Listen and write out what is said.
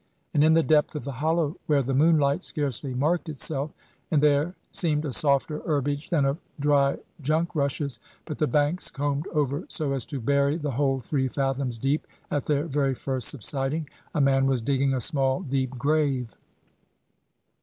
And in the depth of the hollow where the moonlight scarcely marked itself, and there seemed a softer herbage than of dry junk rushes, but the banks combed over so as to bury the whole three fathoms deep at their very first subsiding a man was digging a small deep grave.